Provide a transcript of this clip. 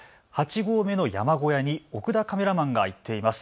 ８合目の山小屋に奥田カメラマンが行っています。